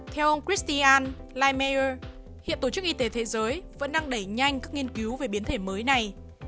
theo ông christian limeier hiện tổ chức y tế thế giới vẫn đang đẩy nhanh các nghiên cứu về biến thể mới này